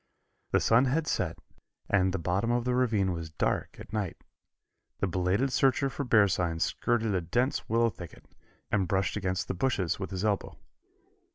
The sun had set and the bottom of the ravine was dark as night. The belated searcher for bear signs skirted a dense willow thicket, and brushed against the bushes with his elbow.